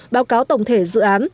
báo cáo tổng thể dự án